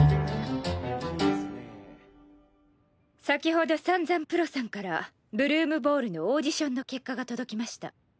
先ほど「サンザンプロ」さんから「ブルームボール」のオーディションの結果が届きました。